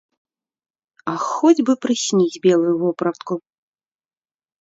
Ах хоць бы прысніць белую вопратку.